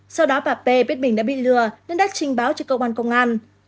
sau đó bà tê biết mình đã bị lừa nên đã trình báo cho công an công an